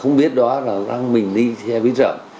không biết đó là đang mình đi xe buýt rợm